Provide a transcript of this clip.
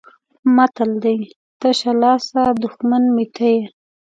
متل دی: تشه لاسه دښمن مې ته یې.